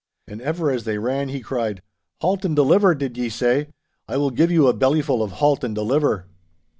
And ever as they ran he cried, '"Halt and deliver!" did ye say? I will give you a bellyful of "Halt and deliver!"